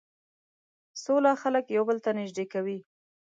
سوله خلک یو بل ته نژدې کوي.